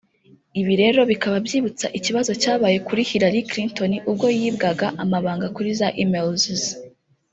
Ibi rero bikaba byibutsa ikibazo cyabaye kuri Hillary Clinton ubwo yibwaga amabanga kuri za emails ze